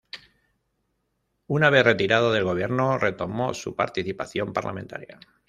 Una vez retirado del gobierno, retomó su participación parlamentaria.